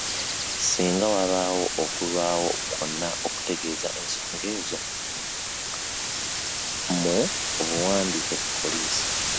Singa wabaawo okulwawo kwonna okuteeka ensonga ezo mu buwandiike ku poliisi.